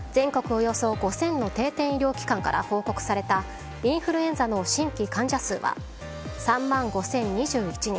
およそ５０００の定点医療機関から報告されたインフルエンザの新規患者数は３万５０２１人。